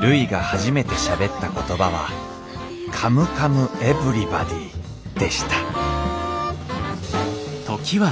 るいが初めてしゃべった言葉は「カムカムエヴリバディ」でしたこんにちは。